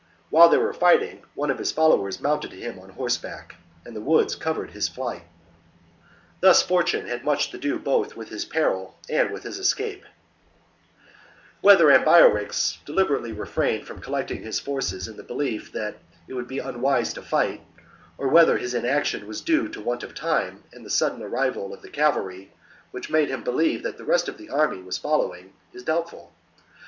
While they were fighting, one of his followers mounted him on horseback ; and the woods covered his flight. Thus Fortune had much to do both with his peril and with his escape. 31. Whether Ambiorix deliberately refrained The Ebu r 11. i ' r • i ii'/ i • rones resort from collectmg his forces m the belief that it to guerrilla 111 . f 1 1 ••• warfare. would be unwise to fight, or whether his inaction was due to want of time and the sudden arrival of the cavalry, which made him believe that the rest of the army was following; is doubtful.